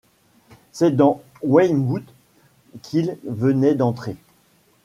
C’est dans Weymouth qu’il venait d’entrer.